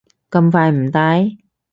咁快唔戴？